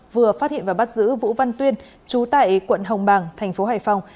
vừa phát hiện và bắt giữ vũ văn tuyên chú tại quận hồng bàng thành phố hải phòng